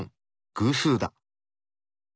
偶数だ。